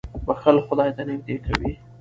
• بښل خدای ته نېږدې کوي.